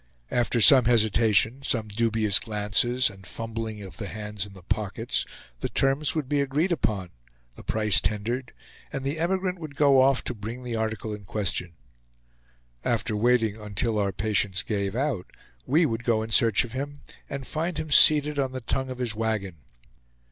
After some hesitation, some dubious glances, and fumbling of the hands in the pockets, the terms would be agreed upon, the price tendered, and the emigrant would go off to bring the article in question. After waiting until our patience gave out, we would go in search of him, and find him seated on the tongue of his wagon.